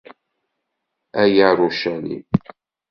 A Yarucalim!